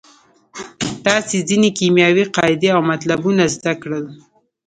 تاسې ځینې کیمیاوي قاعدې او مطلبونه زده کړل.